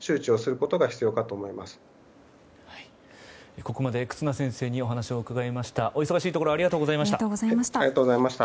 ここまで忽那先生にお話を伺いました。